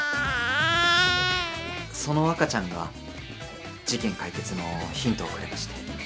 ・その赤ちゃんが事件解決のヒントをくれまして。